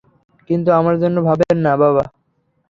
কিন্তু আমার জন্য ভাববেন না, বাবা।